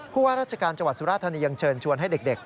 ว่าราชการจังหวัดสุราธานียังเชิญชวนให้เด็ก